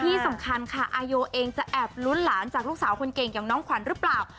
ที่สำคัญค่ะอาโยเองจะแอบลุ้นหลานจากลูกสาวคนเก่งอย่างน้องขวัญหรือเปล่า